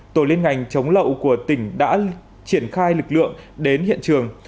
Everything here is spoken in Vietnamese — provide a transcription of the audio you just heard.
tổ liên ngành chống lậu của tỉnh đã triển khai lực lượng đến hiện trường